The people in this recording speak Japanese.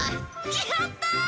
やったー！